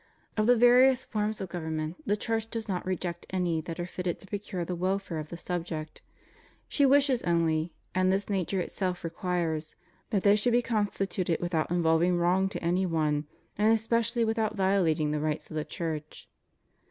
Of the various forms of government, the Church does not reject any that are fitted to procure the welfare of the subject; she wishes only — and this nature itself requires — ^that they should be constituted without involving wrong to any one, and especially without violating the rights of the Church.